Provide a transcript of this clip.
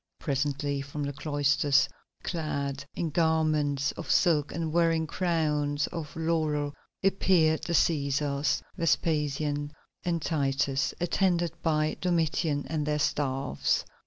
Presently from the cloisters, clad in garments of silk and wearing crowns of laurel, appeared the Cæsars, Vespasian and Titus, attended by Domitian and their staffs.